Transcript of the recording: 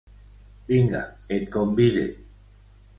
Vinga, et convide.